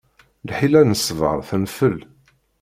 Lḥila n ṣṣbeṛ tenfel.